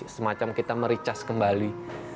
semacam kita mericas kembali